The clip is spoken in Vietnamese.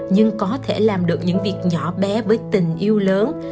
nhưng có thể làm được những việc nhỏ bé với tình yêu lớn